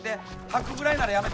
吐くぐらいならやめて。